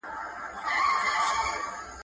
ډېری چلوونکې ښځې دي.